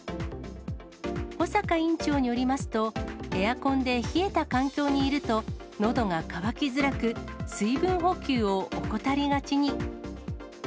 保坂院長によりますと、エアコンで冷えた環境にいると、のどが渇きづらく、水分補給を怠りがちに。